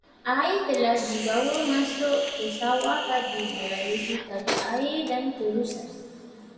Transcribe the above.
Air telah dibawa masuk ke sawah padi melalui tali air dan terusan.